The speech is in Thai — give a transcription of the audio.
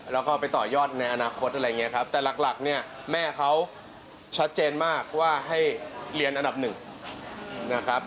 แล้วก็ไปต่อยอดในอนาคตอะไรอย่างนี้ครับแต่หลักเนี่ยแม่เขาชัดเจนมากว่าให้เรียนอันดับหนึ่งนะครับ